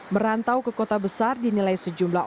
merantau ke kota besar dinilai sejumlah